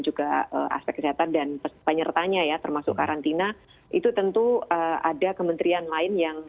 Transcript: juga aspek kesehatan dan penyertanya ya termasuk karantina itu tentu ada kementerian lain yang